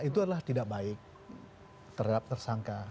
itu adalah tidak baik terhadap tersangka